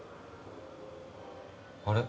あれ。